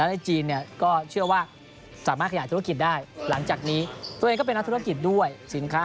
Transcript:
นี่ครับไทยจีนลองมีการสอนมวยด้วยนะ